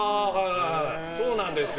そうなんですよ。